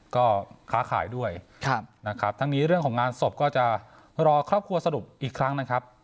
ก็ค้าขายด้วยนะครับทั้งนี้เรื่องของงานศพก็จะรอครอบครัวสรุปอีกครั้งนะครับ